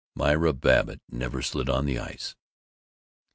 Myra Babbitt never slid on the ice.